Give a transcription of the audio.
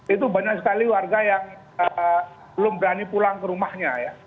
itu banyak sekali warga yang belum berani pulang ke rumahnya ya